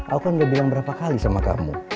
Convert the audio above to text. aku kan udah bilang berapa kali sama kamu